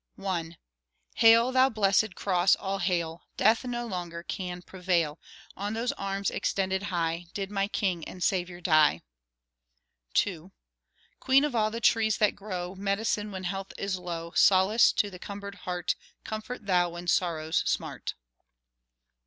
I Hail, thou Blessed Cross, all hail! Death no longer can prevail. On those arms extended high, Did my King and Saviour die. II Queen of all the trees that grow, Medicine when health is low, Solace to the cumbered heart, Comfort thou when sorrows smart.